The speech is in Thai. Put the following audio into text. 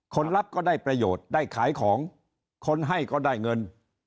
รับก็ได้ประโยชน์ได้ขายของคนให้ก็ได้เงิน